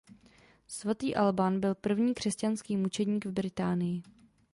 Svatý Alban byl první křesťanský mučedník v Británii.